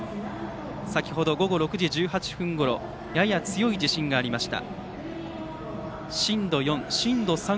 先程、午後６時１８分ごろやや強い地震がありました。